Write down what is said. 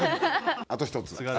あと１つ。